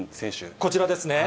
こちらですね。